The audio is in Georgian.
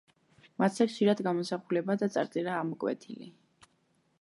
მათზე ხშირად გამოსახულება და წარწერაა ამოკვეთილი.